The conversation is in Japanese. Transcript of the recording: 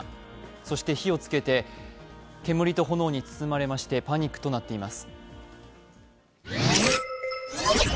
そして火をつけて煙と炎に包まれましてパニックとなっています。